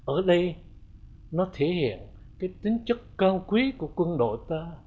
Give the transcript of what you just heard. ở đây nó thể hiện cái tính chất cao quý của quân đội ta